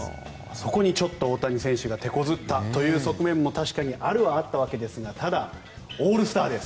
そこに大谷選手がてこずったという側面もあるにはあったわけですがオールスター、